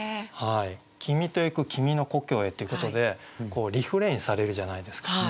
「君とゆく君の故郷へ」ということでこうリフレインされるじゃないですか。